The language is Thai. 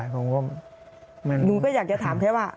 ขอยว่าการ